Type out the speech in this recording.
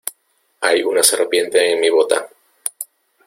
Hay una serpiente en mi bota.